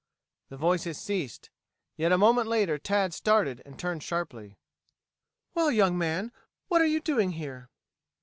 The voices ceased. Yet a moment later Tad started and turned sharply. "Well, young man, what are you doing here?"